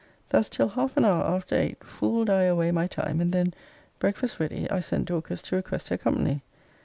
Thus till half an hour after eight, fooled I away my time; and then (breakfast ready) I sent Dorcas to request her company.